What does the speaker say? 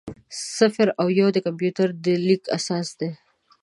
صفر او یو د کمپیوټر د لیک اساس دی.